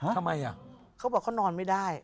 ทำไมอ่ะเขาบอกเขานอนไม่ได้